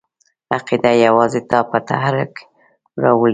عقیده یوازې تا په تحرک راولي!